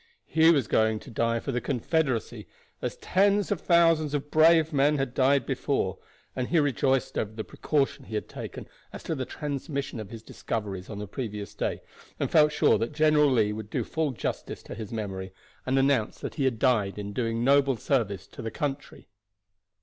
He was going to die for the Confederacy as tens of thousands of brave men had died before, and he rejoiced over the precaution he had taken as to the transmission of his discoveries on the previous day, and felt sure that General Lee would do full justice to his memory, and announce that he had died in doing noble service to the country.